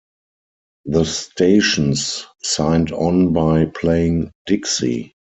The stations signed on by playing Dixie.